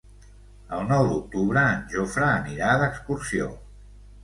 El nou d'octubre en Jofre anirà d'excursió.